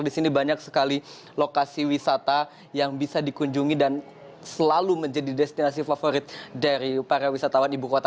di sini banyak sekali lokasi wisata yang bisa dikunjungi dan selalu menjadi destinasi favorit dari para wisatawan ibu kota